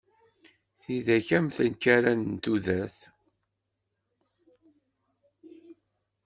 Tidet am tenkerra n tudert.